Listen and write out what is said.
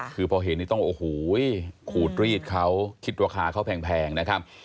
คือพอเห็นนี่ต้องโอ้โหขูดรีดเขาคิดราคาเขาแพงนะครับ